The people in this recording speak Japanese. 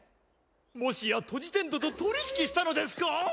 もしやトジテンドと取引したのですか？